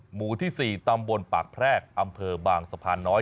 หมู่ที่๔ตำบลปากแพรกอำเภอบางสะพานน้อย